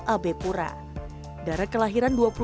dia juga memiliki pendidikan yang sama dengan lain lain asal ab pura